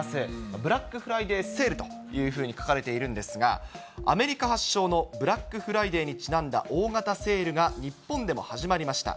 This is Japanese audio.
ブラックフライデー・セールというふうに書かれているんですが、アメリカ発祥のブラックフライデーにちなんだ大型セールが日本でも始まりました。